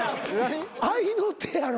合いの手やろ？